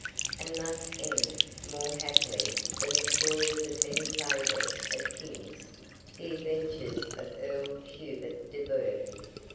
And thus end—more happily than the stories of many favourites of Kings—the adventures of Earl Hubert de Burgh.